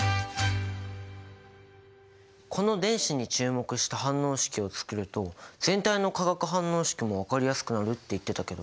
この電子に注目した反応式を作ると全体の化学反応式も分かりやすくなるって言ってたけど。